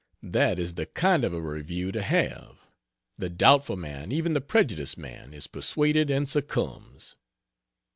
That is the kind of a review to have; the doubtful man; even the prejudiced man, is persuaded and succumbs.